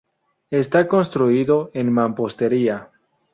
Está construido en mampostería.